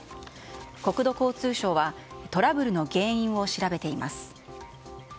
国土交通省はトラブルの原因を調べています。